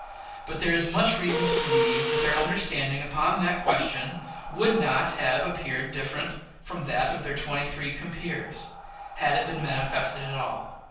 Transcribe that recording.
But there is much reason to believe that their understanding upon that question would not have appeared different from that of their twenty three compeers, had it been manifested at all.